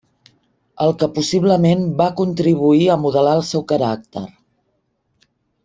El que possiblement va contribuir a modelar el seu caràcter.